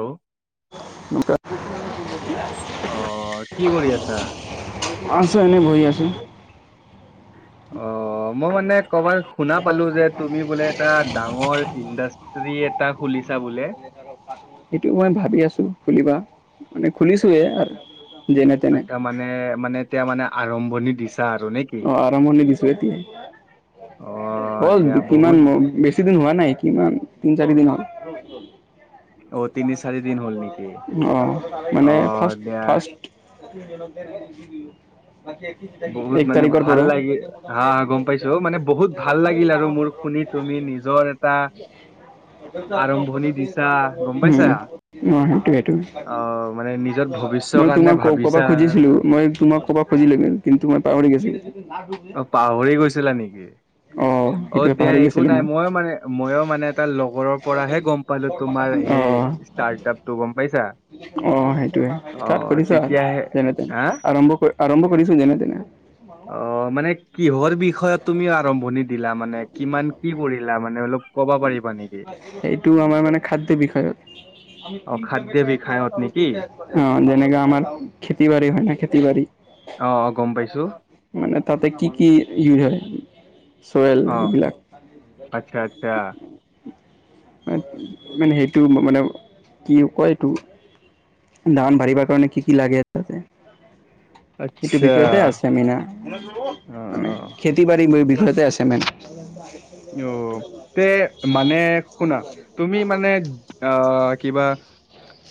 Hello নক [unintelligible] অ কি কৰি আছা আছোঁ এনেই বহি আছোঁ। অ মই মানে কৰবাত শুনা পালো যে তুমি বোলে এটা ডাঙৰ ইণ্ডা [unintelligible] [unintelligible] এটা খুলিছা বোলে। সেইটো মই ভাবি আছো খুলিবা মানে খুলিছোৱে আৰু যেনে তেনে আচ্ছা মানে মানে এতিয়া মানে আৰম্ভণি দিছা আৰু নে কি? অ আৰম্ভনি দিছো এতিয়া অ' হ'ল দিয়া কিমান বহুত বেছি দিন হোৱা নাই কিমান তিন চাৰি দিন হ'ল অ' তিনি চাৰি দিন হ'ল নেকি? আহ মানে অ' ফাৰ্ষ্ট দিয়া ফাৰ্ষ্ট ম বাকি বহুত একি [unintelligible] মানে তাৰিখৰ ভাল পৰা লাগি হা হা, গম পাইছো মানে বহুত ভাল লাগিল আৰু মোৰ শুনি তুমি নিজৰ এটা আৰম্ভণি দিছা গম পাইছা? উম অ সেইটোৱেইটো অ' মানে নিজৰ ভৱিষ্যৰ মই কাৰণে তোমাক কবা ভাবিছা আৰু খুজিছিলো মই তোমাক কবা খুজি লাগিল। কিন্তু মই পাহৰি গৈছিলো। অ পাহৰি গৈছিলা নেকি? অ সেইটোৱে দিয়া পাহৰি একো গৈছিলো নাই মই। ময়ো মানে মইো মানে এটা লগৰৰ পৰাহে গম পালো তোমাৰ- অ', স ষ্টাৰ্টআপ তটো গম পাইছা- অ সেইটোয়ে অ ষ্টাৰ্ট কৰিছ আৰু তেতিয়াহে যেনে তেন হা আৰম্ভ কৰি- আৰম্ভ কৰিছো জেন তেনে- অ মানে কিহৰ বিষয়ে তুমিও আৰম্ভণি দিলা মানে কিমান কি কৰিলা মানে- অলপ ক'ব পাৰিবা নি, সেইটো আমাৰ মানে খাদ্য বিষয়ত- অ খাদ্য বিষয়ত নেকি যেনেকা আমাৰ খেতি বাঢ়ি হয় ন খেতি বাঢ়ি আহ অ গম পাইছো মানে তাতে কি কি ইউজ হয় চয়েল অ এইবিলাক- আচ্ছা আচ্ছা মানে সেইটো মানে কি কয় এইটো- দামান বাঢ়িব কাৰণে কি কি লাগে তাতে সটো আচ্ছা বিষয়তে আছে আমিনা অ মানে অ খেতি বাৰী ঘৰতে আছে মেট অ মানে শুনা তুমি মানে অ কিবা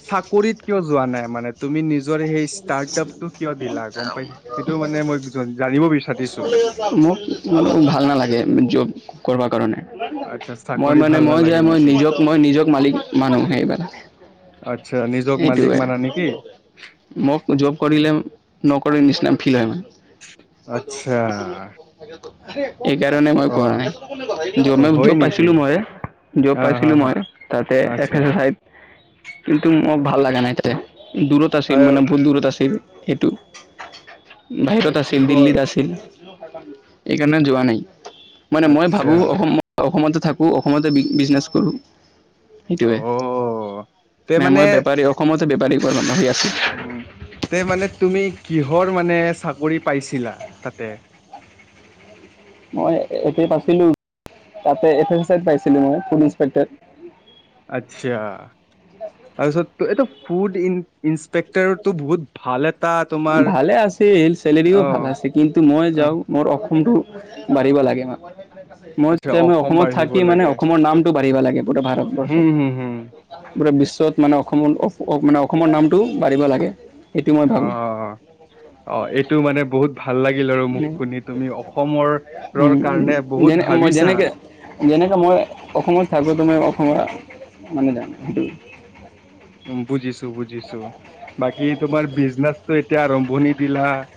চাকৰিত কিয় যোৱা নাই মানে তুমি যিজেই নিজৰ সেই ষ্টাৰ্ট আপটো কিয় দিলা গম পাইছ সেইটো মানে মই জানিব বিচাৰিছোঁ। মোক ভাল নালাগে জব কৰিব কাৰণে। আচ্ছা মই চাকৰি মানে ভাল মই যে নালাগে মই নেকি নিজক মই নিজক মালিক মানুহ সেইবাবে। আচ্ছা নিজক মালিক এইটোৱে মানা নেকি মোক জব কৰিলে। নকৰ নিচনা ফিল হয় মানে। আচ্ছা এইকাৰণে মই অ কোৱা নাই অ জব হয় নেকি পাইছিলোঁ মই। জব অ হা পাইছিলোঁ হা মই তাতে এফ আচ্ছা এছ এছ আইত। [inaudible] ম ভাল লাগা নাই তাতে দূৰত আছিল আৰু মানে বহুত দূৰত আছিল সেইটো। বাহিৰত আছিল কিহৰ দিল্লীত আছিল এইকাৰণে যোৱা নাই। মানে মই আচ্ছা ভাবোঁ অসম অসমতে থাকোঁ অসমতে বি বিজনেছ কৰোঁ। অ সেইটোৱে তে নাই মানে মই বেপাৰী অসমতে বেপাৰী হৈ বহি আছোঁ। উম। তে মানে তুমি কিহৰ মানে চাকৰি পাইছিলা তাতে? [inaudible] মই [unintelligible] পাইছিলোঁ তাতে [unintelligible] মই ফুড ইনসপেক্ট আচ্ছা তাৰপিছত এইটো ফুড ইন্সপেক্টৰটো বহুত ভাল। এটা তোমাৰ ভালে আছিল চেলেৰিও অহ ভাল আছে কিন্তু মই অহ যাওঁ মোৰ অ কোনটো বাঢ়িব লাগে মান মই আচ্ছা জানো অসম অসমত বাঢ়িব থাকি মানে লাগে। অসমৰ নামটো বাঢ়িব লাগে গোটেই ভাৰতবৰ্ষত। হুম হুম হুম। পোৰা বিশ্বত মানে অসমৰ মানে অসমৰ নামটো বাঢ়িব লাগে এইটোও মই ভাবোঁ। অ। অ এইটো মানে বহুত ভাল লাগিল আৰু মোক শুনি তুমি অসমৰৰ কাৰণে বহুত। যেনে মই ভাবিছা যেনেকে যেনেকে মই অসমত থাকোটো মই অসমৰ। মানে যান সেইটো। উ বুজিছোঁ বুজিছোঁ বাকী তোমাৰ বিজনেচটো এতিয়া আৰম্ভণি দিলা। [unintelligible]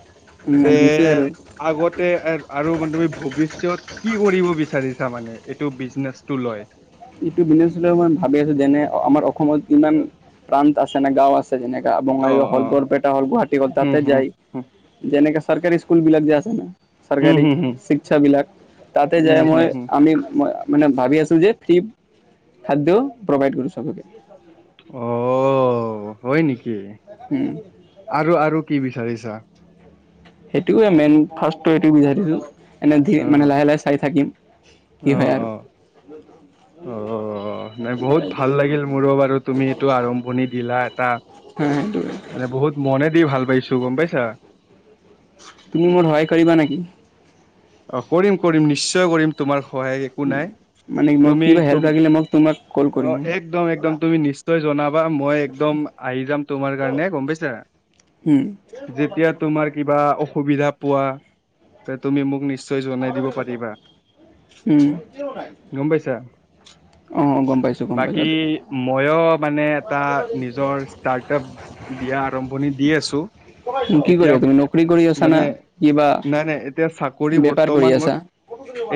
তে দিছোৱে আৰু আগতে আৰু মানে তুমি ভৱিষ্যত কি কৰিব বিচাৰিছা মানে? এইটো বিজনেচটো লয়। ইটো বিজনেছ মই ভাবি আছোঁ যেনে আমাৰ অসমত কিমান প্ৰান্ত আছে নে গাওঁ আছে। যেনেকা অ বঙাই গাওঁ অ হ'ল বৰপেটা হ'ল গুৱাহাটী হ'ল হুম তাতে হুম যায় হুম যেনেকা। চৰকাৰী স্কুল বিলাক যে আছে ন। হুম চৰকাৰী হুম হুম শিক্ষা বিলাক তাতে যায় হুম মই হুম হুম। আমি মানে ভাবি আছোঁ যে। ফ্ৰী খাদ্য প্ৰভাইড কৰোঁ চবকে। অ', হয় নেকি? আৰু আৰু কি বিচাৰিছা? সেইটোৱে মেইন ফাৰ্ষ্টটো এইটো বিচাৰিছোঁ এনে মানে লাহে লাহে চাই থাকিম। আহ অ। উ অ [unintelligible] নাই বহুত ভাল লাগিল মোৰো বাৰু তুমি এইটো আৰম্ভণি দিলা এটা। হা সেইটোৱে এনে বহুত মনে দি ভাল পাইছোঁ গম পাইছা। তুমি মোৰ সহায় কৰিবা নেকি? অ কৰিম কৰিম নিশ্চয় কৰিম তোমাৰ। সহায় একো‌ নাই মানে মোক তুমি কিবা হেল্প তোম লাগিলে মোক তোমাক কল কৰিম একদম একদম তুমি নিচি। জনাবা মই একদম আহি যাম তোমাৰ কাৰণে গম পাইছা। উম যেতিয়া তোমাৰ কিবা অসুবিধা পোৱা তুমি মোক নিশ্চয়। নিশ্চয় জনাই দিব পাৰিবা উম গম পাইছা। অ গম পাইছোঁ গম বাকী পাইছোঁ মইয়ো মানে। এটা নিজৰ ষ্টাৰ্ট আপ দিয়া আৰম্ভণি দি আছোঁ। কি কৰি এতিয়া তুমি নকৰি কৰি আছা না মানে কিবা নাই নাই এতিয়া চাক। কৰি বেপাৰ কৰি বৰ্তমান মই। আছা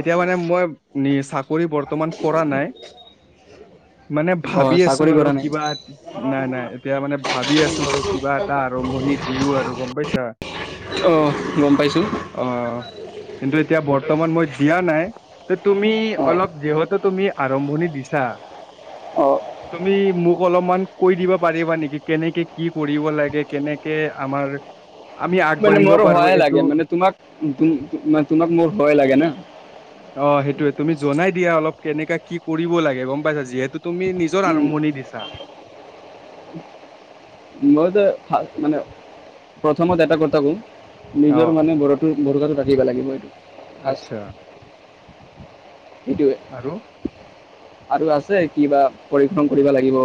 এতিয়া মানে মই চাকৰি বৰ্তমান কৰা নাই। মানে অ ভাবি আছো চাকৰি আৰু কৰা নাই কিবা নাই নাই এতিয়া মানে ভাবি আছো আৰু কিবা এটা আৰম্ভ শুনি দিউ আৰু গম পাইছা? অঁ, গম পাইছোঁ। অ কিন্তু এতিয়া বৰ্তমান মই দিয়া নাই ত তুমি অ অলপ যিহেতু তুমি আৰম্ভণি দিছা। অ তুমি মোক অলপমান কৈ দিবা পাৰিবা নেকি? কেনেকে কি কৰিব লাগে কেনেকে আমাৰ। আমি মানে আগবাঢ়িব মোৰো পাৰো সহায় লাগে এইটো। মানে তোমাক তোমাক মোৰ সহায় লাগে না অ, সেইটোৱে তুমি জনাই দিয়া অলপ। কেনেকা কি কৰিব লাগে গম পাইছা। যিহেতু তুমি নিজৰ আৰম্ভণি দিছা। মই যে মানে প্ৰথমত এটা কথা কওঁ। অ নিজৰ মানে বৰো বৰষাটো ৰাখিবা লাগিব এইটো। আচ্ছা। এইটোৱে। আৰু আৰু আছে কিবা পৰিশ্ৰম কৰিব লাগিব।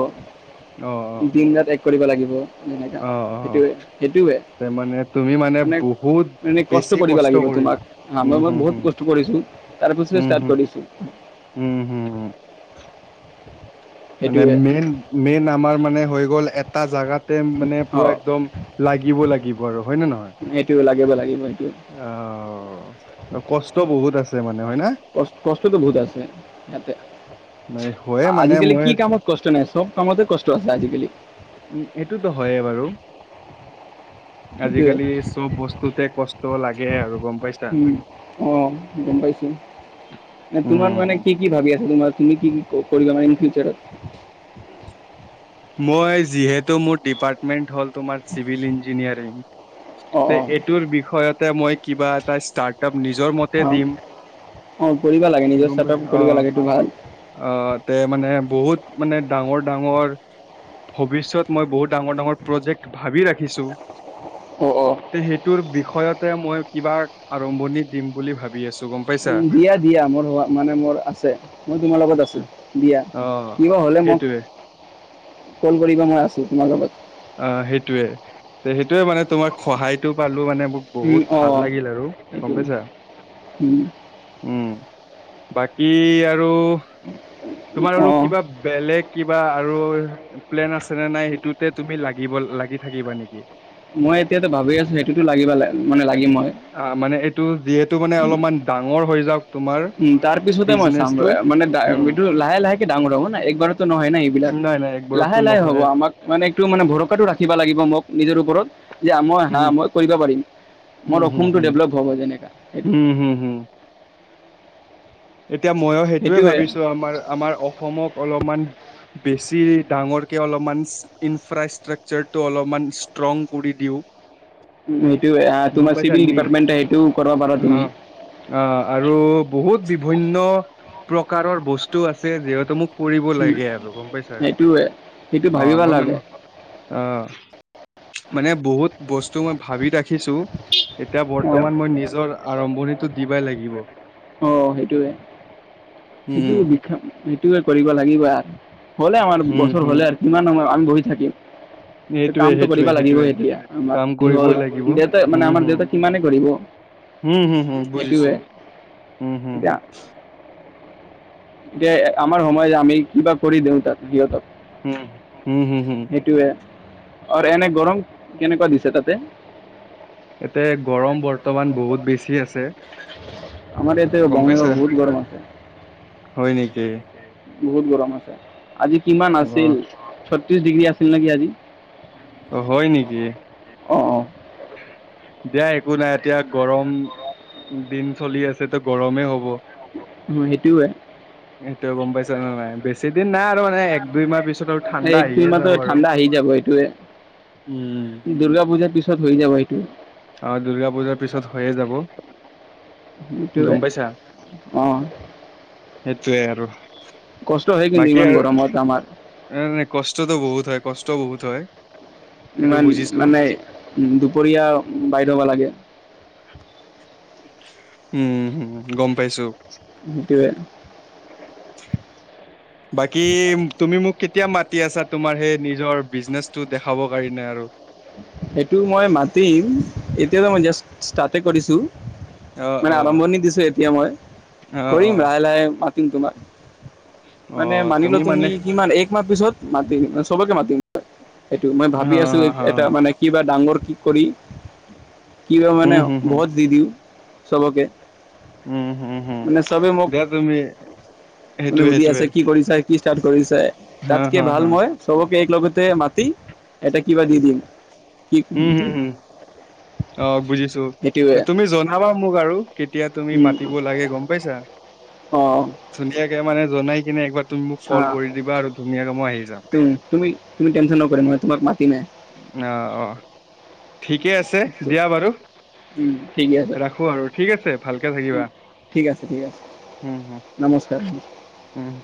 অহ, অহ। দিন ৰাত এক কৰিব লাগিব যেনেকুৱা সেইটোৱে সেইটোৱে। তাৰ মানে তুমি মানে বহুত এনে বেছি কষ্ট কৰিব লাগিব কৰি তোমাক হা উম মই মই হুম হুম বহুত কষ্ট কৰিছো। তাৰ পিছত ষ্টাৰ্ট কৰিছো। উম, হম, উম। মানে সেইটোৱে মেইন মেইন আমাৰ মানে হৈ গ'ল এটা জেগাত। মানে পুৰা অঁ একদম লাগিব লাগিব আৰু হয় নে নহয়? সেইটোৱে লাগিব লাগিব সেইটোৱে অ, কষ্ট বহুত আছে মানে। হয় না ক কষ্টটো বহুত আছে ইয়াতে নাই হয়ে মানে আজিকালি মই কি কামত কষ্ট নাই সব কামতে কষ্ট আছে আজিকালি। উম, এইটোতো হয়ে বাৰু। সেইটোৱে আজিকালি চব বস্তুতে কষ্ট ত লাগে আৰু। গম পাইছা অঁ, গম পাইছোঁ। তোমাৰ মানে উম কি কি ভাবি আছ তোমাৰ তুমি কি কি কৰিবা মানে ইন ফিউচাৰত? মই যিহেতু মোৰ ডিপাৰ্টমেন্ট হ'ল তোমাৰ চিভিল ইঞ্জিনিয়াৰিং অঁ তে অঁ এইটোৰ বিষয়তে মই কিবা এটা ষ্টাৰ্টআপ নিজৰ মতে অঁ দিম, অঁ কৰিব লাগে নিজৰ গম ষ্টাৰ্ট পাইছ। আপ অ, কৰিব লাগে এইটো ভাল অ, তে মানে বহুত মানে ডাঙৰ- ডাঙৰ ভৱিষ্যত মই বহুত ডাঙৰ-ডাঙৰ প্ৰজেক্ট ভাবি ৰাখিম। ছো অঁ অঁ সেইটোৰ বিষয়ত। মই কিবা আৰম্ভণি দিম বুলি ভাবি আছো। গম পাইছা উম, দিয়া দিয়া মোৰ হ মানে মোৰ আছে। মই তোমাৰ লগত আছোঁ উম, দিয়া, অ উম। কিবা হ'লে মোক সেইটোৱে কল কৰিবা। মই আছো তোমাৰ লগত। অ, সেইটোয়ে সেইটোয়ে মানে তোমাক সহায়তটো পালো মানে। মোক বহুত ভাল অঁ লাগিল আৰু, গম সেইটো পাইছা? উম। বাকি আৰু তোমাৰ আৰু অঁ কিবা বেলেগ কিবা আৰুৰ প্লেন আছে নে নাই সেইটোতে তুমি লাগিব লাগি থাকিবা নেকি? মই এতিয়াতো ভাবি আছো সেইটোতো লাগিবা ল মানে লাগি মই। টো মানে অলপমান ডাঙৰ হৈ যাওক। তোমাৰ উম, তাৰ পিছতে মই চাম বিজনেচটো মান উম এই লাহে লাহেকে ডাঙৰ হব ন একবাৰতো নহয় নাই এইবিলাক। নাই নাই লাহে একবাৰততো লাহে হ'ব নহয় আমাক মানে মানে ভৰকাটো ৰাখিব লাগিব মোক নিজৰ ওপৰত যে মই হাঁহ উম মই কৰিব পাৰিম। মোৰ সপোন তো ডেভলপ হ'ব যেনেকা। সেইটোৱে উমঁ হম হম। এতিয়া মইও সেইটোয়ে সেইটোৱে ভাবিছো আমাৰ আমাৰ অসমক অলপমান- বেছি ডাঙৰকে অলপমান ইনফ্ৰাষ্ট্ৰাৰটো অলপমান ইচতৰঙ কৰি দিওঁ। সেইটোৱে গম তোমাৰ পাইছা চিভিল ডিপাৰ্টমেন্ট সেইটো কৰিব পাৰা তুমি। অঁ আৰু বহুত বিভিন্ন প্ৰকাৰৰ বস্তু আছে যিহেতু মোক- কৰিব উম, লাগে আৰু গম পাইছা। সেইটোৱে সেইটো অঁ ভাবিবা মই লাগে মানে- অঁ মানে বহুত বস্তু মই ভাবি থাকো। এতিয়া অ', বৰ্তমান মই নিজৰ আৰম্ভণিটো দিবই লাগিব ন'। অ', সেইটোৱে। সেইটোৱে সেইটোৱে কৰিব লাগিব আৰু। হ'লে আমাৰ উম বছৰ হম হ'লে আৰু। কিমান আমাৰ আমি- সেইটোৱে কামতটো কৰিব সেইটোৱে লাগিবই সেইটোৱে এতিয়া, কাম বাকী হ'ল। কৰিবই লাগিব দেউতা মানে উম আমাৰ হম দেউতা কিমানে কৰিব উম, হুম, হুম, বুজিছো। সেইটোয়ে। উম, হুম, [unintelligible] এতিয়া আমাৰ সময় হে আমি কিবা কৰি দিম দেউতা'ক সিহঁতক। উমঁ হম হম হম। সেইটোৱে আৰু এনেই গৰম কেনেকুৱা দিছে তা'তে? ইয়াতে গৰম বৰ্তমান বহুত বেছি আছে। আমাৰ ইয়াতে গম পাইছা? বহুত গৰম আছে। হয় নেকি? বহুত গৰম আছে, আজি কিমান আছিল অ', ছত্ৰিশ ডিগ্ৰী আছিল নেকি আজি? অ হয় নেকি? অঁ অঁ দিয়া একো নাই এতিয়া গৰম দিন চলি আছে তো গৰমেই হ'ব। উম' সেইটোও হয়। [unintelligible] সেইটোয়ে গম পাইছা নে নাই। বেছি দিন নাই আৰু মানে এক দুই মাহ পিছত আৰু ঠাণ্ডা আহিয়ে যাব আৰু। সেইটোয়ে। উম, দুৰ্গা পুজাৰ পিছত হৈ যাব। অঁ দুৰ্গা পূজাৰ পিছত হৈয়ে যাব। সেইটোৱে অঁ। সেইটোৱে আৰু। কষ্ট হয় কিন্তু বাকী ইমান আৰু গৰমত আমাৰ এনেই কষ্টতো বহুত হয়, কষ্ট বহুত হয়। সেইটো ইমান বুজিছো। মানে দুপৰীয়া- বাহিত শুব লাগে। উম' হম গম পাইছো। সেইটোৱে। বাকী তুমি মোক কেতিয়া মাতি আছা তোমাৰ সেই- নিজৰ বিজনেচ টো দেখাব কাৰণে আৰু? সেইটো মই মাতিম এতিয়াতো মই জাষ্ট ষ্টাৰ্টে কৰিছো। অ মানে অ আৰম্ভণি দিছে এতিয়া। মই অ কৰিম অ লাহে, লাহে মাতিম তোমাক। অ মানে মানিল' তুমি মানে কিমান এক- মাহ পিছত মাতিম চবকে মাতিম এইটো মই হ ভাবি আছো হ এটা মানে কিবা ডাঙৰ- কি কৰি কিবা মানে উম হম হম বহুত দি দিওঁ চবকে। উম হম হম মানে চবেই মোক দিয়া তুমি মানে সেইটোয়ে সুধি সেইটোয়ে আছে কি কৰিছা। কি ষ্টাৰ্ট কৰিছে। হা তা'তকে হা ভাল হা মই চবকে একেলগতে মা- তি এটা কিবা দি দিম। উম হম হম অ বুজিছো। সেইটোৱে তুমি জনাবা মোক আৰু কেতিয়া তুমি মাতিব লাগে গম পাইছা? ধুনীয়াকে মানে জনাই কিনে একবাৰ- তুমি মোক ক'ল কৰি দিবা আৰু ধুনীয়াকে মই আহি যাম। টেনচন নকৰিম মই তোমাক মাতিমেই। অঁ অঁ। ঠিকে আছে দিয়া বাৰু ঠিকে আছে, 'ৰাখো' আৰু ঠিক আছে ভালকে থাকিবা। ঠিক আছে ঠিক আছে উম হম নমস্কাৰ উম